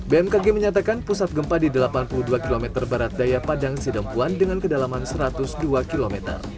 bmkg menyatakan pusat gempa di delapan puluh dua km barat daya padang sidempuan dengan kedalaman satu ratus dua km